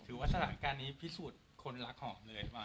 แล้วตฉะนั้นการนี้พริสุดคนรักษ์เหรอ